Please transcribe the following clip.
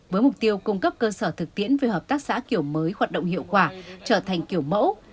với mục tiêu cung cấp cơ sở thực tiễn về hợp tác xã kiểu mới hoạt động hiệu quả trở thành kiểu mẫu